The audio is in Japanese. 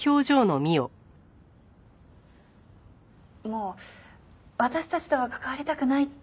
もう私たちとは関わりたくないって思ってるよね？